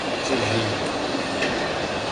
Це вже його діло.